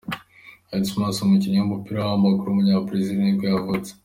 Edmílson, umukinnyi w’umupira w’amaguru w’umunya-Brazil nibwo yavutse.